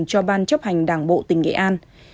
cho ban chấp hành đảng bộ tỉnh nghệ an